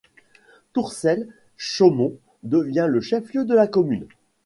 Tourcelles-Chaumont devient le chef-lieu de la commune.